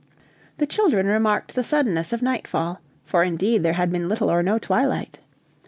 The children remarked the suddenness of nightfall, for indeed there had been little or no twilight.